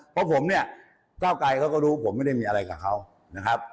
เพราะผมเนี่ยก้าวไกลเขาก็รู้ผมไม่ได้มีอะไรกับเขานะครับ